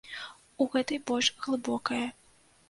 У гэтай больш глыбокае.